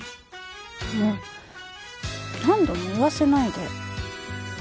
もう何度も言わせないで。